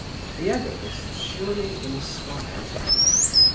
The Egoist surely inspires pity.